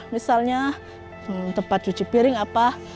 misalnya tempat cuci piring apa